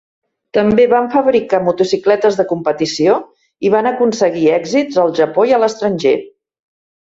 També van fabricar motocicletes de competició i van aconseguir èxits al Japó i a l"estranger.